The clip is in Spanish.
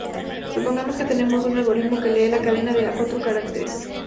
Supongamos que tenemos un algoritmo que lee la cadena de a cuatro caracteres.